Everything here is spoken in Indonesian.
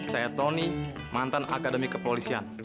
saya tony mantan akademi kepolisian